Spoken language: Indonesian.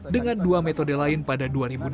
dengan dua metode lain pada dua ribu dua puluh